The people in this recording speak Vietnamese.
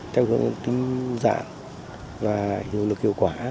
theo hướng tính dạng và hiệu quả